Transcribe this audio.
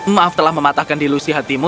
maaf telah mematahkan dilusi hatimu